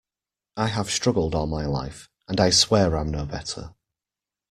I have struggled all my life, and I swear I'm no better.